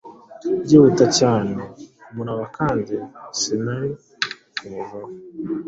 Byihuta cyane kumurabakandi sinari kumuvaho